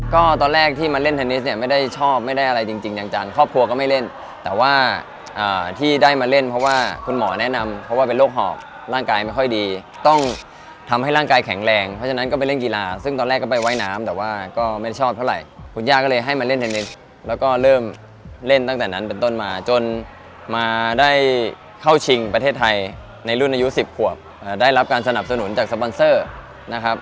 ก็ตอนแรกที่มาเล่นเทนนิสเนี่ยไม่ได้ชอบไม่ได้อะไรจริงจังครอบครัวก็ไม่เล่นแต่ว่าที่ได้มาเล่นเพราะว่าคุณหมอแนะนำเพราะว่าเป็นโรคหอบร่างกายไม่ค่อยดีต้องทำให้ร่างกายแข็งแรงเพราะฉะนั้นก็ไปเล่นกีฬาซึ่งตอนแรกก็ไปว่ายน้ำแต่ว่าก็ไม่ชอบเท่าไหร่คุณยากเลยให้มาเล่นเทนนิสแล้วก็เริ่มเล่นตั้งแต่น